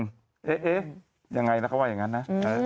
เนี่ยอย่างไรนะเขาก็ว่าอย่างนั้นนะ